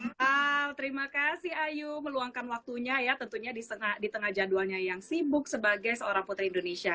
wow terima kasih ayu meluangkan waktunya ya tentunya di tengah jadwalnya yang sibuk sebagai seorang putri indonesia